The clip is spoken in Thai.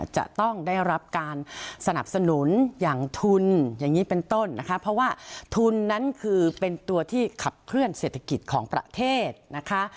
จะต้องได้รับการสนับสนุนอย่างทุนอย่างนี้เป็นต้นนะคะเพราะว่าทุนนั้นคือเป็นตัวที่ขับเคลื่อนเศรษฐกิจของประเทศนะคะ